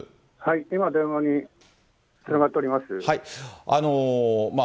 今、電話につながっております。